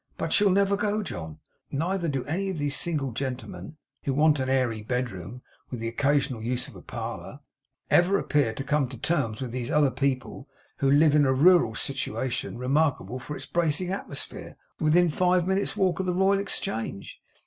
But she'll never go, John! Neither do any of these single gentlemen who want an airy bedroom, with the occasional use of a parlour, ever appear to come to terms with these other people who live in a rural situation remarkable for its bracing atmosphere, within five minutes' walk of the Royal Exchange.